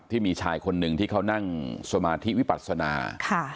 ที่มีชายคนหนึ่งที่เขานั่งสมาธิวิปัศนา